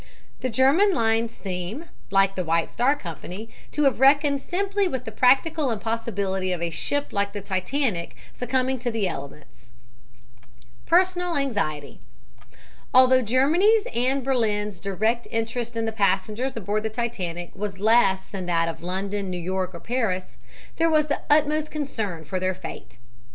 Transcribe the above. The German lines seem, like the White Star Company, to have reckoned simply with the practical impossibility of a ship like the Titanic succumbing to the elements PERSONAL ANXIETY Although Germany's and Berlin's direct interest in the passengers aboard the Titanic was less than that of London, New York or Paris, there was the utmost concern for their fate.